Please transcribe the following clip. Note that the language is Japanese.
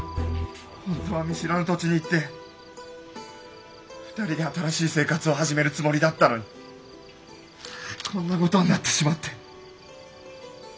本当は見知らぬ土地に行って２人で新しい生活を始めるつもりだったのにこんな事になってしまって。